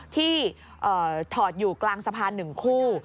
ที่ถอดอยู่กลางสะพานหนึ่งคู่